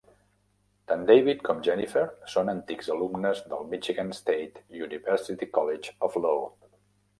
Tant David com Jennifer són antics alumnes del Michigan State University College of Law.